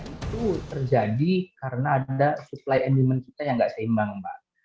itu terjadi karena ada supply and demand kita yang nggak seimbang mbak